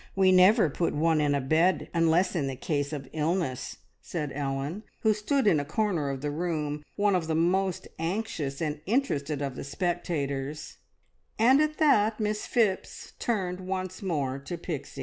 We never put one in a bed unless in the case of illness," said Ellen, who stood in a corner of the room, one of the most anxious and interested of the spectators; and at that Miss Phipps turned once more to Pixie.